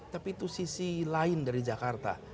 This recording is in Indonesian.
tapi itu sisi lain dari jakarta